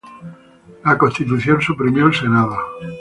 La Constitución suprimió el Senado.